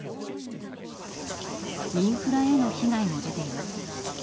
インフラへの被害も出ています。